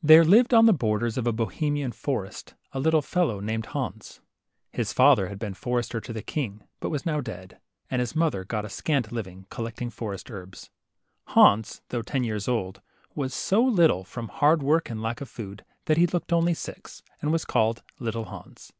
T here lived on the borders of a Bohemian forest a httle fellow named Hans. His father had been forester to the king, hut was now dead; and his mother got a scant living,* collecting forest herbs. Hans, though ten years old, was so little, from hard work and lack of food, that he looked only six, and was called Little Hans.